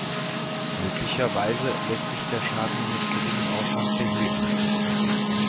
Möglicherweise lässt sich der Schaden mit geringem Aufwand beheben.